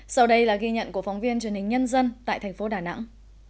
sau đây là ghi nhận của phóng viên truyền hình nhân dân tại thành phố đà nẵng